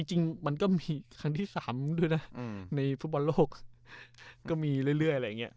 จริงมันก็มีครั้งที่๓ด้วยนะในฟุตบอลโลกก็มีเรื่อยอะไรอย่างนี้